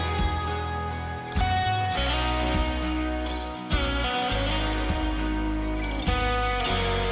dia ke ubergia